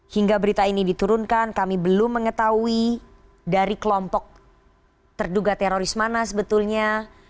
hingga berita ini diturunkan kami belum mengetahui dari kelompok terduga teroris mana sebetulnya